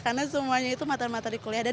karena semuanya itu materi materi kuliah